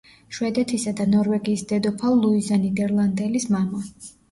შვედეთისა და ნორვეგიის დედოფალ ლუიზა ნიდერლანდელის მამა.